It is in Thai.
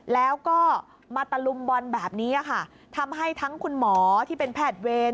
แล้วก็มาตะลุมบอลแบบนี้ค่ะทำให้ทั้งคุณหมอที่เป็นแพทย์เวร